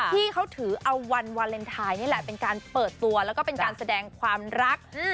ที่เขาถือเอาวันวาเลนไทยนี่แหละเป็นการเปิดตัวแล้วก็เป็นการแสดงความรัก